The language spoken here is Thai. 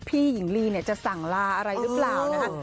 พี่หญิงลีจะสั่งลาอะไรหรือเปล่านะครับ